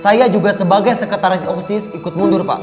saya juga sebagai sekretaris osis ikut mundur pak